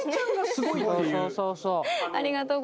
修そうそう。